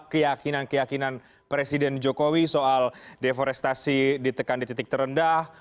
keyakinan keyakinan presiden jokowi soal deforestasi ditekan di titik terendah